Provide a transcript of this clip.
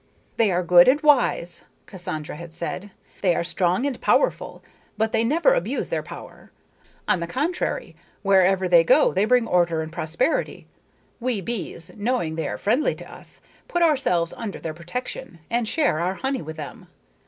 "They are good and wise," Cassandra had said. "They are strong and powerful, but they never abuse their power. On the contrary, wherever they go they bring order and prosperity. We bees, knowing they are friendly to us, put ourselves under their protection and share our honey with them.